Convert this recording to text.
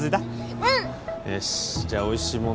うんよしじゃあおいしいもの